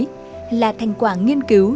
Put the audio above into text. cơ thể này là thành quả nghiên cứu